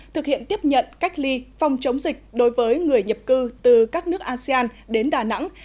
thực hiện tiếp nhận cách ly phòng chống dịch đối với người nhập cư từ các nước asean đến đà nẵng